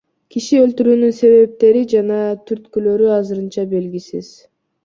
Киши өлтүрүүнүн себептери жана түрткүлөрү азырынча белгисиз.